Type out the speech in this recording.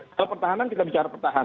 kalau pertahanan kita bicara pertahanan